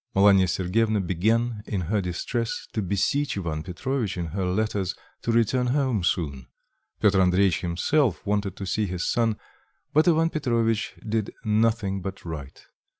Malanya Sergyevna began, in her distress, to beseech Ivan Petrovitch, in her letters, to return home soon. Piotr Andreitch himself wanted to see his son, but Ivan Petrovitch did nothing but write.